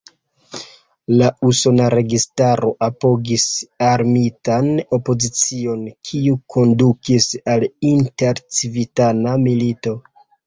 La usona registaro apogis armitan opozicion, kiu kondukis al intercivitana milito.